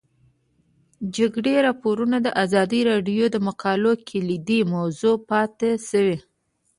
د جګړې راپورونه د ازادي راډیو د مقالو کلیدي موضوع پاتې شوی.